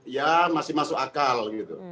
ya masih masuk akal gitu